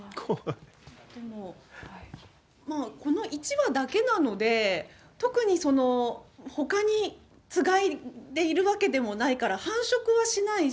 この１羽だけなので、特にその、ほかにつがいでいるわけでもないから、繁殖はしないし。